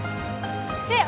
せや！